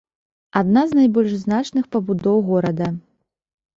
Адна з найбольш значных пабудоў горада.